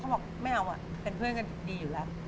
บอกไม่เอาเป็นเพื่อนกันดีอยู่แล้ว